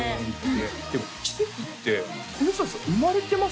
でも「キセキ」ってこの人達生まれてます？